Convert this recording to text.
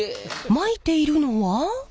まいているのは。